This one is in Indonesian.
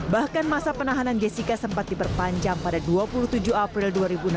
bahkan masa penahanan jessica sempat diperpanjang pada dua puluh tujuh april dua ribu enam belas